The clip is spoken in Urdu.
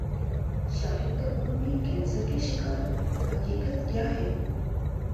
شاہد کپور بھی کینسر کے شکار حقیقت کیا ہے